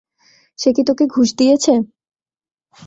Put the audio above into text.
সে কি তোকে ঘুষ দিয়েছে?